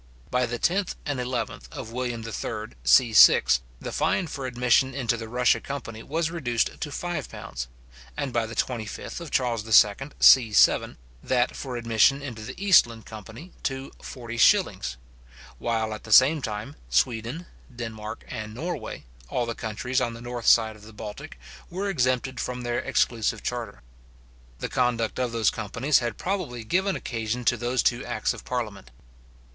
By the 10th and 11th of William III. c.6, the fine for admission into the Russia company was reduced to five pounds; and by the 25th of Charles II. c.7, that for admission into the Eastland company to forty shillings; while, at the same time, Sweden, Denmark, and Norway, all the countries on the north side of the Baltic, were exempted from their exclusive charter. The conduct of those companies had probably given occasion to those two acts of parliament.